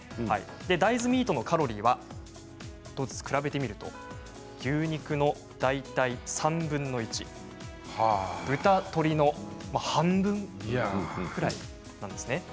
大豆ミートのカロリーは比べてみると牛肉の大体３分の１豚肉、鶏肉の半分くらいなんですね。